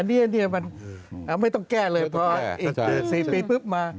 อันนี้เนี่ยมันไม่ต้องแก้เลยเพราะอีก๔ปีปุ๊บมา